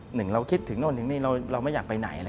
หนึ่งเราคิดถึงโน่นถึงนี่เราไม่อยากไปไหน